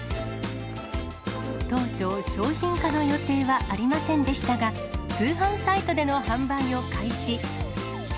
当初、商品化の予定はありませんでしたが、通販サイトでの販売を開始。